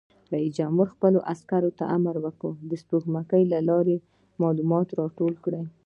رئیس جمهور خپلو عسکرو ته امر وکړ؛ د سپوږمکۍ له لارې معلومات راټول کړئ!